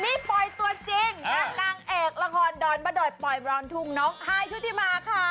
นี่ปล่อยตัวจริงนางเอกละครดอนบะดอยปอยรอนทุ่งน้องฮายชุธิมาค่ะ